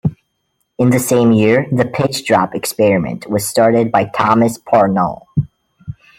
In the same year, the pitch drop experiment was started by Thomas Parnell.